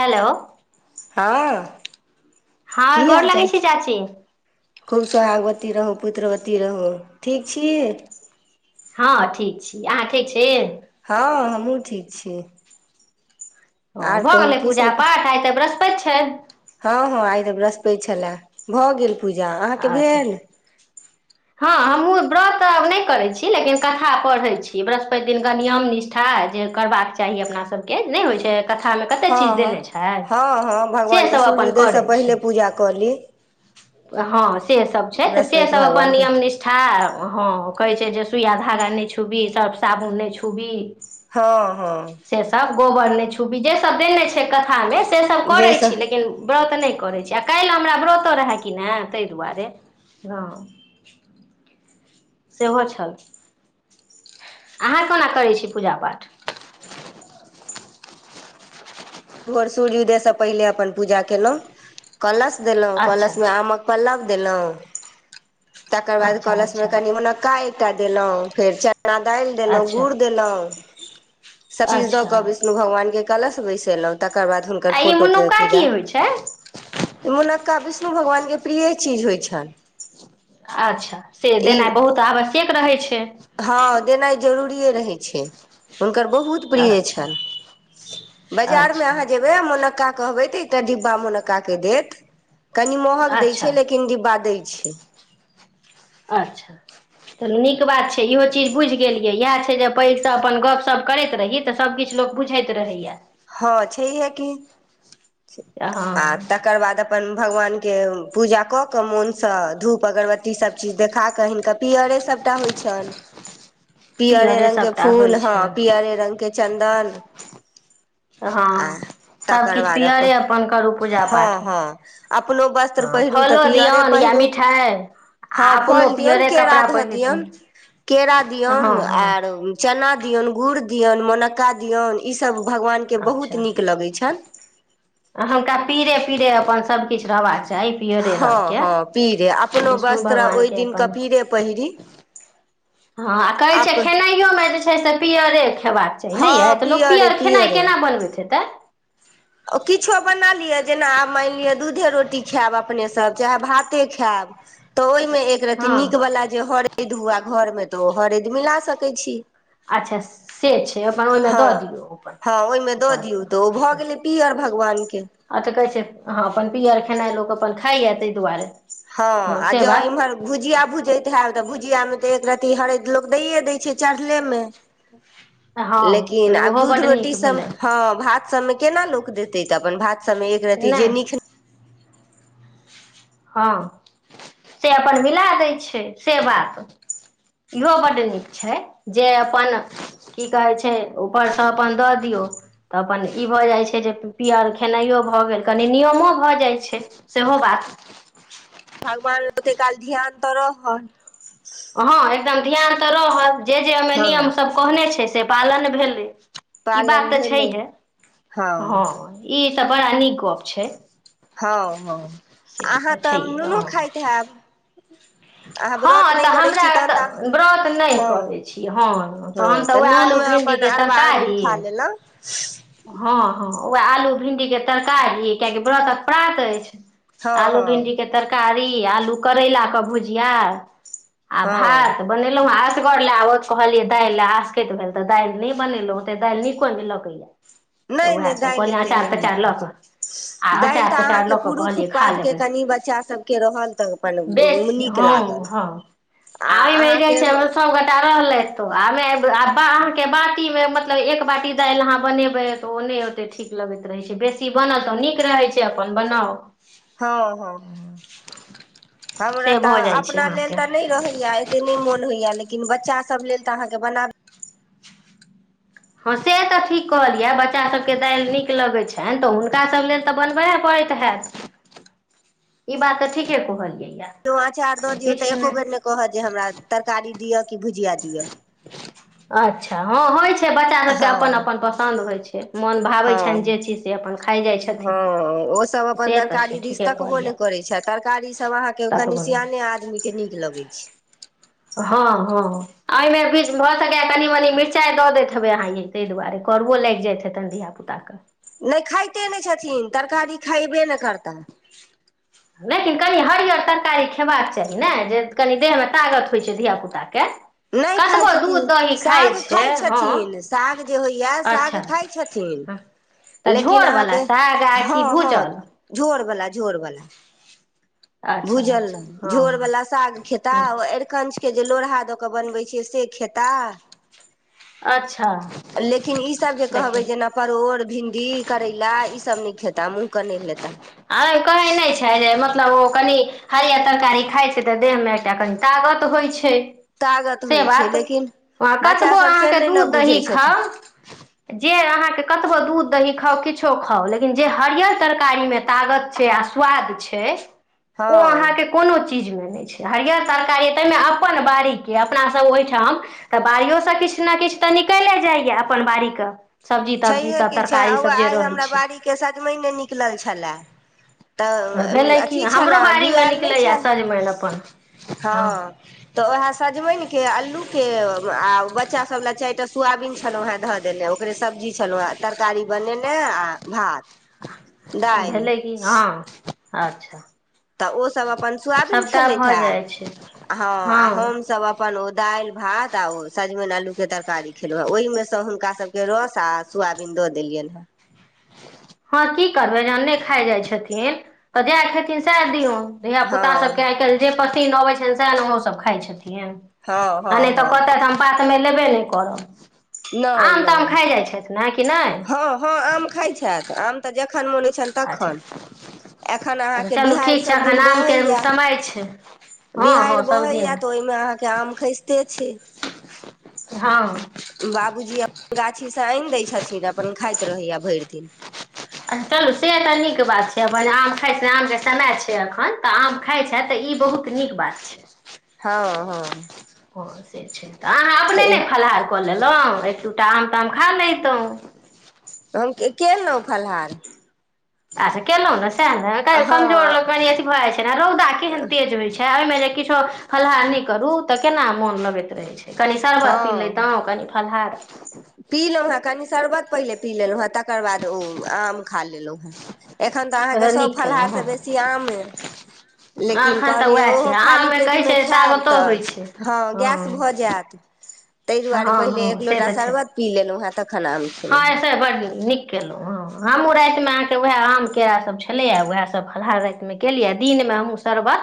Hello हँ हँ की हाल गोर लगै चाल छी चाची खूब सोहागवती रहूँ पुत्रवती रहू ठीक छी हँ ठीक छी अहाँ ठीक छी हमहुँ ठीक छी ह आर भऽ कहू गेलै की पूजा सब पाठ आ तऽ बृहस् पछ हँ हँ आइ तऽ बृहस्पेत छलए भऽ गेल पूजा अहाँके अच्छा भेल हँ हमूँ व्रत तऽ आब नहि करै छी लेकिन कथा पढ़ै छी बृहस्पति दिनक नियम निष्ठा जे करबाक चाही अपना सबके नहि होइ छै कथामे हँ कतेक चीज हँ देने छै हँ हँ भगवानके सेसभ अपन सूर्योदयसँ करै पहिले छै पूजा कऽ ली हँ सेसभ छै तऽ बृहस्पति सेसभ अपन भगवानके नियम निष्ठा हँ कहैत छै जे सुइया धागा नहि छुबही सर्फ साबुन नहि छुबही हँ हँ गोबर ने छुबी जे सब देने छै कथा में से सब करै जाहिसँ छी लेकिन व्रत नहि करै छी आ काल्हि हमरा व्रतो रहै त सेहो छल अहाँ कोना करै छी पूजा पाठ भोर सूर्य उदयसँ पहिले अपन पूजा केलहुँ कलश देलहुं अच्छा कलश मे आमक पल्लव देलहु तकर बाद अच्छा कलशमे अच्छा कनिमनका चटा देलहुँ फेर च खना दालि देलहुं अच्छा गुड़ देलहुं सब चीज दए अच्छा क विष्णु भगवान के कला समय चेल तकर बाद हुनकर आ ई फोटो के मुनुक्का पूजा की होइ छै मनक्का विष्णु भगवानके प्रिय चीज होइ छनि अच्छा से ई देना बहुत आवश्यक रहै छै हँ देनाइ जरूरिए रहै छै हुनकर बहुत प्रिय अच्छा छ बाजार मे अच्छा कहबै तऽ एकटा डिब्बा मोन्का के देत कनि महग द देय छै अच्छा लेकिन डिब्बा दय पछी अच्छा चऽ नीक बात छै इहो चीज बुझि गेल यै इएह छै जे पैघसँ अपन गपशप करैत रही तऽ सभकिछु लोक बुझैत रहैए हँ छै है की हँ आ तकर बाद अपन भगवानके पूजा कऽ कऽ मोनसँ धूप अगरबत्ती सभचीज देखा कऽ हिनका पीअरे सभटा होइ छनि पियरे पीयरे रंगग के सभटा होइ फूल हँ छनि पियरे रंग के चन्दन आ हँ तकर सभकिछु बाद पिियरे अपन करू पूजा पाठ हँ हँ अपनो वस्त्र हँ पहिरू तऽ फलो पियरे दियौन या पहिरू मिठाइ आ हँ अपनो फल दियऔन पियरे केरा कपड़ा धऽ पहिरू दियऔन केरा हँ दियऔन हँ आर चना [inaudible] दियन गुड़ दियनि मनका दियऔन ई सब भगवान अच्छा आ हुनका पीरे पीरे अपन सबकिछु रहबाक चाही पियरे हँ रंगके हँ पीरे अपनो विष्णु वस्त्र ओहि भगवानके दिनके अपन पीरे पहिरीी हँ आ कहैत छैिय खेनाइयोमे जे छै से पियरे खेबाक चाही ने यए हँ तऽ लोक पियरे पियर खेनाइ पियरे केना बनबैत तऽ किछो बना लियअ ोी ख च ख मे एक रती हँ नीक वाला जे हरे धुआ घर मे तो हरेद मिला सकैत छी अच्छा से छै अपन ओहिमे हँ दऽ दियौ पर ऊपरसँ पी आओर भगवान के तऽ कहैत छै हँ अपन पियर खेनाइ लोक अपन खाइया ताहि दुआरे हँ आ से जँ बात इम्हर भुजिया भुजैत हयब तऽ भुजिया मे तऽ एक र्त हर ऽ लोक दैए दै छै चढ़लेमे हँ तऽ लेकिन आब ओहो बड्ड दूध नीक रोटी सब भेलै हँ भात सबमे केना लोक देतै तऽ अपन भा सभमे एकरति नहि जे नीक हँ से अपन मिला दैत छै से बात इहो बड्ड नीक छै जे अपन की कहैत छै ऊपरसँ अपन दऽ दियौ तऽ अपन ई भऽ जाइत छै जे पिअर खेनाइओ भऽ गेल कनि नियमो भऽ जाइत छै सेहो बात भगवान लोकके काल ध्यानतर हन हँ एकदम ध्यान तऽ रहत जे जे एहिहिमे हँ नियम सब कहने छै से पालन भेलै ई बात पालन तऽ छै भेलै ने हँ ई तऽ बड़ा नीक गप छै हँ हँ से अहाँ तऽ छैहे नूनो हँ खाइत हैब अहाँ हँ व्रत नहि तऽ करै छी तहन तऽ हमराऽ व्रत नहि हँ करैत छी हँ तऽ हमसभ ओएह आलू नूनमे अपन भिंडीके अरबा अरबाइन तरकारी खा लेलहुँ हँ हँ ओह आलू भिंडी के तरकारी ली कियाकि व्रत प्रात अछि हँ आलू हँ भिंडी के तरकारी आलू करैला के भुज बिियार आ हँ भात बनेलहुँ ह आ गर ले आब कहलियै दालि ले आसकैत भेल तऽ दालि नहि बनेलहु ओते दालि निको नहि लगैले नहि नहि दालि एतेक नहि नीक लऽ होइत कऽ छै आ दालि अँचार तऽ तँचार लऽ अहाँके कऽ पुरुष कहलियै खा पातके लेबै कनि बच्चा सभके रहल तऽ अपन बेसी नीक हँ लागल हँ आ भ छै सबगोटा आर हो तऽ आमे आ बाहर के बटी मे म मतलब एक बाटी दालि अहाँ बनेबै तऽ ओ नहि ओतेक ठीक लगैत रहैत छै बेसी बनत तऽ नीक रहैत छै अपन बनाउ हँ हँ हमरा से भऽ तऽ जाइ छै अपना लेल अहाँके तऽ नहि रहैया एतेक नहि मोन होइया लेकिन लेकिन बच्चासभ लेल तऽ अहाँके बनाबै हँ से तऽ ठीक कहऽ लियअ बच्चासभके दालि नीक लगै छनि तऽ हुनकासभ लेल तऽ बनबयए पड़ैत हैत ई बात ठीके कुहलै जँ अँचार दऽ दियौ तऽ एको बेर नहि कहत जे हमरा तरकारी दिअ कि भुजिया दिअ अच्छा हँ होइ छै छै बच्चा सबके अपन हँ अपन पसन्द होइ छै मोन भाबै हँ छनि जे चीज से अपन खाइ जाइ हँ छथिन से तऽ छै ठीके कऽ लिऽ करै छै तरकारी सब के कनी सियाने आदमी के नीक लगे हँ हँ ओहिमे कि भऽ सकय कनि मनि मिरचाइ दऽ दैत हेबै अहाँ ये ताहि दुआरे करबो लागि जाइत हेतनि धियापुताकेँ छै नहि करता लेकिन कनि हरअर तरकारी खयबाक चाही ने जे कनि देहमे तागत होइत छै धियापुताके नहि खाइ कतबो छथिन दूध दही साग छै खाइ छथिन हँ साग जे होइया साग अच्छा खााय छथिन तऽ लेकिन झोरवला अहाँके साग आ कि हँ हँ भूजल झोर ब झोर वलाा अच्छा भूजल अच्छा ने झोर वला हँ साग खेताह आरिकंछ के जे लोहा द के बनबै छियै से खेता अच्छा लेकिन ई सब कह देखियौ जे परो भ दी करैला ई सब नहि खेता मुह के नहि लेता आ कही नहि छै र मतलब ओ कनी हरियर तरकारी खााय छै तऽ देह मे एकटा कनि तागत होइ छै तागत से होइ छै बात लेकिन हँ कतबो बच्चासभ से अहाँके नहि ने दूध बुझै दही छथिन खाउ जे अहाँके कतबो दूध दही खाउ किछो खाउ लेकिन जे हरियर तरकारी मे तागत छै आ स्वाद छै हँ ओ अहाँके कोनो चीज चीजमे नहि छै हरिियर तरकारी ताहिमे अपन बाड़ीके अपनासभ ओहिठाम तऽ बाड़ियोसँ किछु ने किछु तऽ निकले जाइय अपन बाड़ीके सब्जी तब्जी छैहे सब की छै तरकारी सब ह जे आइ रहै हमरा छै बाड़ीके सजमनि नहि नि कलल छलए तऽ भेलै की अथी हमरो छलए बाड़ीमे जुआयल नहि निकलैए छलए सजमनि अपन हँ तऽ ओएहे सजमनििक के आलू के आ बच्चा सब लए चारिटा सोयबीन छलहुँ वे धऽ देले ओकरे सब्जी छलहुँ तरकारी बनेने आओ भात दालि भेलै किी हँ अच्छा तऽ ओसभ अपन सोयाबीन सभटा खेलैत भऽ हे जाइ छै हँ आ हमसभ अपन ओ दालि भात आ ओ सजमनि आलूके तरकारी खेलहुँ हेँ ओहिमे सँ हुनका सभके रस आ सोयाबीन दऽ देलियनि हेँ। हँ की करबै जहन नै खाय जाय छथिन तऽ जएह खेथिन सएह दियौन। धिया पुता सबके आइ काल्हि जे पत्ती नवई छैन सह ने ओहोसभ खाइ छथिन। हँ आ हँ हँ नहि तऽ हँ कहतै हम प त लेब नहि कर नहि नहि कि नहि हँ हँ आम खााय छथि आम तऽ जखन मोन--ं [unintelligible] त अच्छा एखन अच्छा अहाँके चलू बिहाड़ि ठीक छै सभ एखन दिन आमके बहैय समय छै हँ बिहाड़ि हँ सभदिन बहैय तऽ ओहिमे अहाँके आम खसिते छै। हँ। बाबूजी अपन गाछीसँ आनि दै छथिन अपन खाइत रहैय ये भरि दिन। चलू सेत नीक बात छै अपन आम नामजै समय छिय आँख हन तऽ आम खाइ छैथ तऽ ई बहुत नीक बात छै। हँ हँ। ओ से छै। तऽ अहाँ अपने तऽ नै फलाहार कल। लेलौ एक दुटा आम ताम खा लौतौ। हम के। [unintelligible] फलहार। आसे केलाऊनासे तै न तैयो कमजोर हँ लग कनी अथि भए जाय छै। ऐना रौदा केहन तेज होइ छै ओहिमे जे किछो फल्हार नै करू तऽ केना मोन लगैत रहै छै। कनि शरबत पी हँ लैतौ कनि। फलहार। पी लेलहुँ हेँ कनि शरबत पहिले पी लेलहुँ हें तकर बाद ओ आम खा लेलहुँ हेँ। एखन तऽ अहाँके सभ नीक केलहुँ फलाहारसँ हँ बेसी आम अइ। एखन तऽ उएह छै आममे कहै पेटमे छै खायब तागतो तऽ होइ छै गैस हँ। भऽ जायत ताहि दुआरे पहिले एक लोटा सरबत पी लेलाऊ है। [unintelligible] बड निक क कयलहुँ हँ हमहूँ रातिमे अहाँके उएह आम केरासभ छलैए उएहसभ फलहार रातिमे केलियै आ दिनमे हमहूँ शरबत।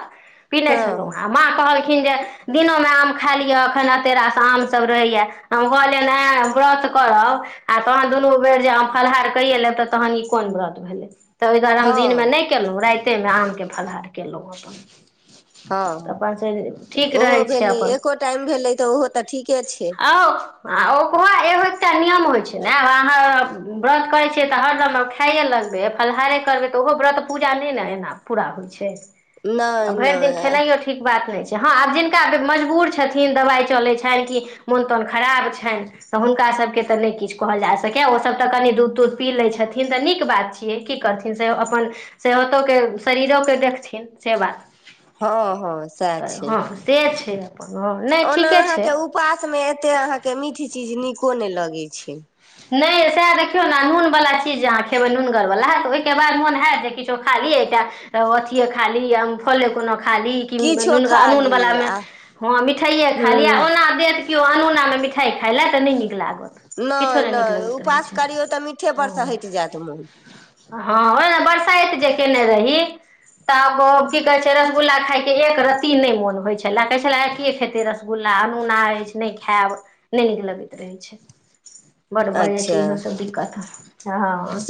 पिने छलहुँ हँ आ माँ कहल। तखिन जे दिनोमे आम खा लिअ एखन तेरासँ आमसभ रहैए हम कहलियनि आ व्रत करब आ तहन दुनू बेर जे फलहार कैये लेब तऽ तहन ई कोन व्रत भेले तऽ ओहि दुआरे हम हँ दिनमे नहि केलहुँ राति कते मे आम के फलहार केलहुँं अपन तऽ हँ अपन से ठीक तऽ ओहो रहै छै भेली अपन एको टाइम भेलै तऽ ओहो तऽ ठीके छै। आउ आ ओकहो एगो एकटा नियम होय छै। नै आब अहाँ व्रत करै छियै तऽ हरदम खैये लगबै फलहारे करबै तऽ ओहो व्रत पूजा नहि ने एना पूरा होइ छै। नहि आ भरि दिन नहि खेनाइयो ठीक बात नहि छै। हँ आब जिनका मजबूर छथिन दबाइ चलै छनि कि मोन तोन खराब छनि तऽ हुनका सभके तऽ नहि किछु कहल जा सकै ओसभ तऽ कनि दूध तूध पी लै छथिन तऽ नीक बात छियै की करथिन से अपन सेहतोके शरीरोके देखथिन से बात हँ हँ स तऽ छै हँ से छै अपन हँ नहि ओना ठीके छै अहाँके उपासमे एतेक अहाँके मीठ चीज नीको नहि लगैत छै ह नहि सएह देखियौ ने नून वालला चीज जे अहाँ खेबे नूनगर वला ह त ओहि के बाद मोन हयत जे किछो खा ली अथीे खा ली य फले कोनो ला ही किछो खा ली आ हूँ केओ अनोौनामे मिठाइ खाइ लए तऽ नहि नीक लागत किछो नहि ने नीक नहि लगैत रहे उपास छै करियौ तऽ मीठे पर से ह हटि जायत मोन हँ बरसाइत जे केने रह तब की कहै छै रसगुल्ला खायके एक रती नहि मोन होइ छले कहै छल आ के खेते रसगुल्ला अनोना रहै छै नहि खायब नहि नीक लगैत रहै छै बडड़ भऽ जाइ छै अच्छा इहोसभ दिक्कत हँ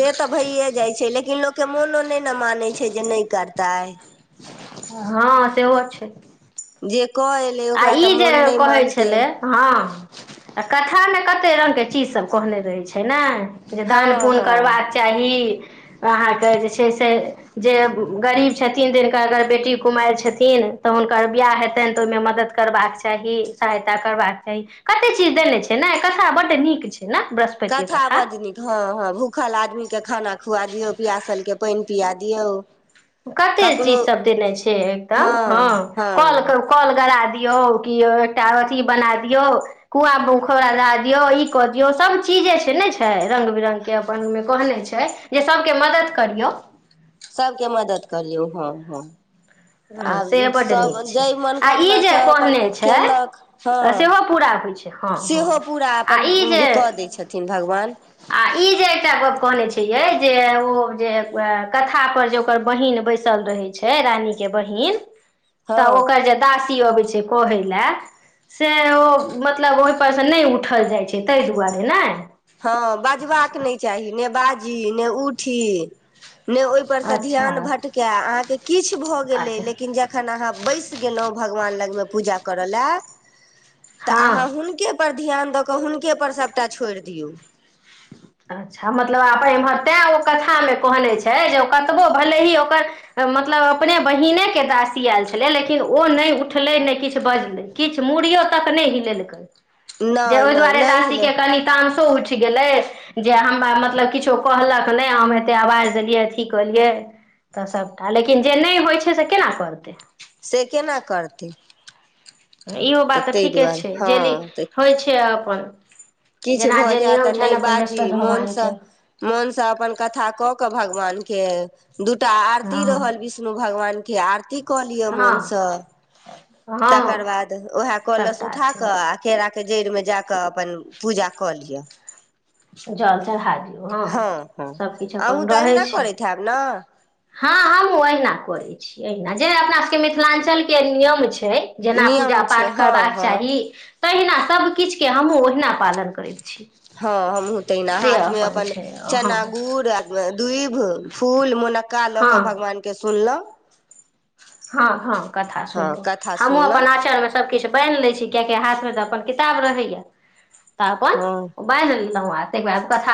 जमोन ने मानै छै जे नहि करताै हँ सेहो छै जे कऽ एलै आ ओकरा तऽ ई जे मोन नहि कहै मानतै छलै हँ आ कथामे कतेक रङ्गके चीजसभ कहने रहैत छै ने जे दान हँ पुण हँ करबाक चाही अहाँके जे छै से जे गरीब छथिन दिनका अगर बेटी कुमार छथिन तऽ हुनकर बिियाह हेतनि तऽ ओहि मदद करबाक चाही सहायता करबाक चाही कते चीज देने छै ने कथा बड नीक छै ने बृहस्पतिके कथा बड नीक हँ हँ भूखल आदमी के खाना खुआ दियऔ पियासल के पानि पिया दियऔ कते चीज सब देने छै एकदम हँ कल कल गड़ा दी ियौ कि एकटा अथिी बना दियौ कुआ उखौड़ा दए दियौ ई कऽ दियौ सभचीज जे छै ने छै रङ्ग बिरङ्गके अपन ओहिमे कहने छै जे सभके मदद करियौ सभके मदद करलियौ हँ हँ आ हँ से बड्ड सभ नीक छै जाहि आ ई मनोकामना जे सभ अपन कहने केलक हँ छै सेहो पूरा होइ छै हँ हँ सेहो पूरा आ अपन ई जे कऽ दै छथिन भगवान आ ई जे एकटा गप्प कहने छियै जे ओ जे कथापर जे ओकर बहिीन बैसल रहै छै रानीके बहीन हँ तऽ ओकर जे दासी अबै छै कहै ल से ओ मतलब ओहिप से नहि उठल जाइ छै ताहि दुआरे ने हँ बजबाक नहि चाही ने बाजी ने उठी ने ओहि पर से अच्छा ध्यान भटक अहाँ के किछु भए गेले अच्छा लेकिन जखन अहाँ बैस गेलहु भगवान लगमे पूजा करऽ लए तऽ हँ अहाँ हुनके पर ध्यान द कऽ हुनके पर सबटा छोड़ दे जऔ अच्छा मतलब आ एम्हर तें ओ कथामे कहने छै जे ओ कतबो भले ही ओकर मतलब अपने बहिने के दासी आयल छलै लेकिन ओ नहि उठलै नहि किछु बजलै किछु मूड़ियो तक नहि हिलेलकै जे नहि ओहि नहि दुआरे नहि दासी हेलै के कन तानसो उठ गेलै जे हमरा मतलब किछो कहलक नहि हम एतेक आवाज देलियै अथी कलियै तऽ सभटा लेकिन जे नहि होइ छै से केना करतै से केना करथि इहो बात तऽ ठीके छै जेी हँ तऽ होइ छै अपन किछु जेना भऽ जे जाय तऽ नियम नहि छनि अपन बाजी बृहस्पति मोनसँ भगवानके मोनसँ अपन कथा कऽ क कऽ भगवान के दूटा आरती रहल हँ विष्णु भगवान के आरती कऽ लिअ हँ मोनसँ हँ तकर बाद उएह कलस सभटा उठा छै कऽ आ केरा के जड़िमे जा कऽ अपन पूजा कऽ लिअ जलसँल हट हँ हँ अहूँ तऽ रहै अहिना छै करैत हब ने हँ हमहुँ अहिना करे छी अहिना जेना अपना सबके मिथिलाञ्चल के नियम छै छै जेना पूजा नियम छै पाठ हँ करबाक हँ चाही तहिना सबकिछुके हमहुँ ओहिना पालन करैत छी हँ हमहु तेना से हाथ में अपन छै हँ चना गुड़ दप फूल मनक्का ल के हँ भगवान के सुनलहु हँ हँ कथा हँ सुनल कथा हमहुँ अपन सुनलहुँ आचर मे सबकछु बानहि लै छी किय के हाथ मे तऽ अपन किताब रहैया तपर हँ बाजली क